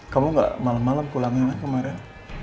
kamu gak malam malam pulangin aja kemarin